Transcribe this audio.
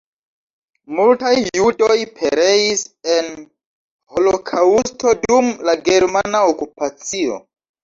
Multaj judoj pereis en holokaŭsto dum la germana okupacio.